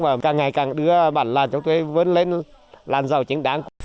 và càng ngày càng đưa bản làng chúng tôi vươn lên làm giàu chính đáng